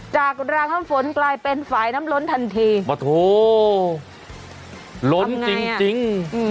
จากรางน้ำฝนกลายเป็นฝ่ายน้ำล้นทันทีมาโถล้นจริงจริง